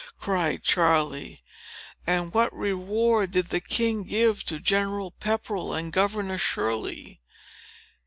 cried Charley. "And what reward did the king give to General Pepperell and Governor Shirley?"